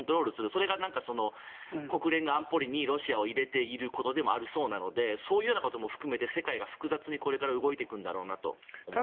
それが国連が安保理にロシアを入れていることでもありそうなのでそういうことも含めて世界が複雑にこれから動いていくんだろうなと思います。